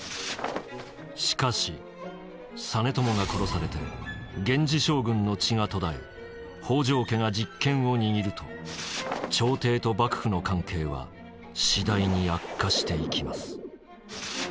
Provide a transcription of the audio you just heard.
しかし実朝が殺されて源氏将軍の血が途絶え北条家が実権を握ると朝廷と幕府の関係は次第に悪化していきます。